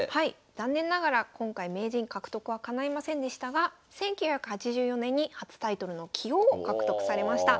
残念ながら今回名人獲得はかないませんでしたが１９８４年に初タイトルの棋王を獲得されました。